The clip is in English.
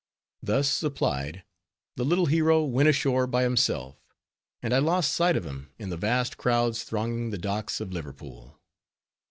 Thus supplied, the little hero went ashore by himself; and I lost sight of him in the vast crowds thronging the docks of Liverpool.